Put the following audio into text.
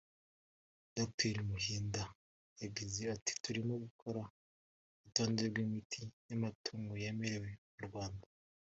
Dr Muhinda yagize ati “ Turimo gukora urutonde rw’imiti y’amatungo yemewe mu Rwanda